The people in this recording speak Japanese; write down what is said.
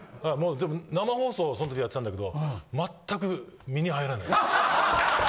もう、生放送そのときやってたんだけど、全く身に入らない。